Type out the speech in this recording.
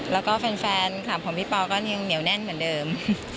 แล้วก็แฟนคลับของพี่ปอก็ยังเหนียวแน่นเหมือนเดิม